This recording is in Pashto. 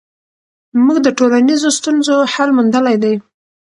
موږ د ټولنیزو ستونزو حل موندلی دی.